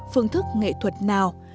phương thức nghệ thuật nào